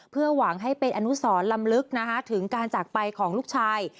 เพื่อหวังให้เป็นอนุสรลำลึกถึงการจากไปของลูกชาย